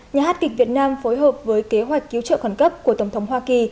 nhà hát kịch việt nam phối hợp với kế hoạch cứu trợ khẩn cấp của tổng thống hoa kỳ